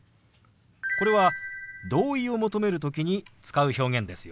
これは同意を求める時に使う表現ですよ。